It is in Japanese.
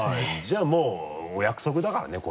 じゃあもうお約束だからね